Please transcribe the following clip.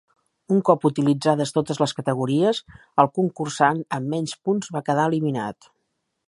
Un cop utilitzades totes les categories, el concursant amb menys punts va quedar eliminat.